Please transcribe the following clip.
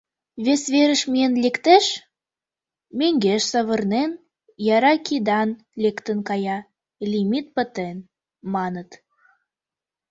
Вес верыш миен лектеш — мӧҥгеш савырнен, яра кидан лектын кая, лимит пытен, маныт.